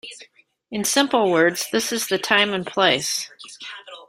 In simple words this is the time and place.